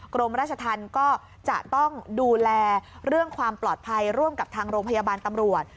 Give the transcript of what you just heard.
กรมราชธรรมก็จะต้องดูแลเรื่องความปลอดภัยร่วมกับทางโรงพยาบาลตำรวจ